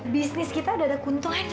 bisnis kita udah ada keuntungannya ya